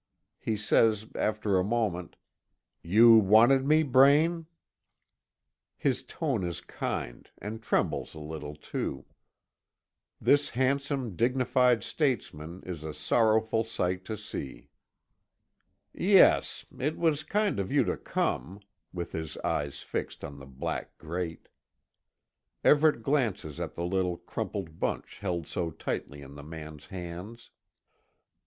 He says, after a moment: "You wanted me, Braine?" His tone is kind, and trembles a little too. This handsome, dignified statesman is a sorrowful sight to see. "Yes. It was kind of you to come," with his eyes fixed on the black grate. Everet glances at the little crumpled bunch held so tightly in the man's hands.